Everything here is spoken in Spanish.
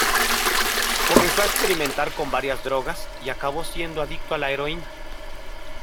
Comenzó a experimentar con varias drogas, y acabó siendo adicto a la heroína.